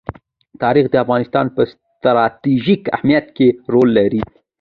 تاریخ د افغانستان په ستراتیژیک اهمیت کې رول لري.